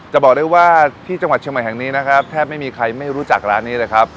บอกได้ว่าที่จังหวัดเชียงใหม่แห่งนี้นะครับแทบไม่มีใครไม่รู้จักร้านนี้เลยครับ